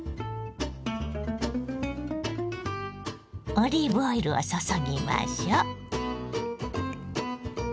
オリーブオイルを注ぎましょう。